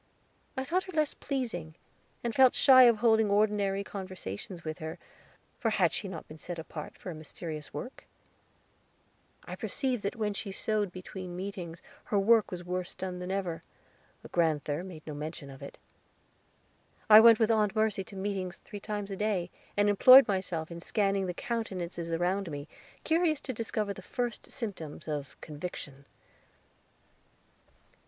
I thought her less pleasing, and felt shy of holding ordinary conversations with her, for had she not been set apart for a mysterious work? I perceived that when she sewed between meetings her work was worse done than ever; but grand'ther made no mention of it. I went with Aunt Mercy to meetings three times a day, and employed myself in scanning the countenances around me, curious to discover the first symptoms of Conviction.